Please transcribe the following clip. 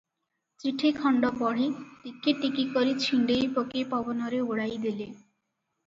ଚିଠି ଖଣ୍ଡ ପଢ଼ି ଟିକି ଟିକି କରି ଛିଣ୍ଡେଇ ପକେଇ ପବନରେ ଉଡ଼ାଇ ଦେଲେ ।